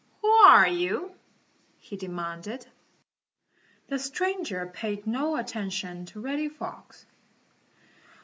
"Who are you?" he demanded.] The stranger paid no attention to Reddy Fox.